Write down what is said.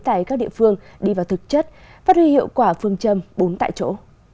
tại các địa phương đi vào thực chất phát huy hiệu quả phương châm bốn tại chỗ